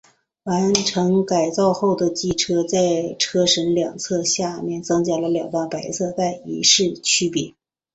完成改造后的机车在车身两侧下部增加了两道白色带以示区别。